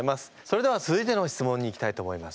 それでは続いての質問にいきたいと思います。